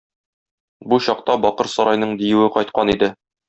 Бу чакта бакыр сарайның диюе кайткан иде.